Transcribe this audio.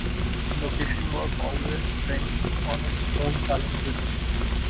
Location work always brings on its own challenges.